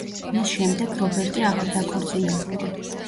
მის შემდეგ რობერტი აღარ დაქორწინებულა.